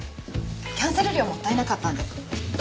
キャンセル料もったいなかったので。